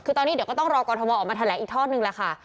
คือตอนนี้เดี๋ยวก็ต้องรอกรทมออกมาแถลงอีกทอดนึงแหละค่ะ